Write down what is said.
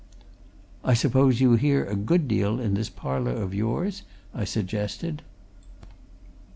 "I suppose you hear a good deal in this parlour of yours?" I suggested.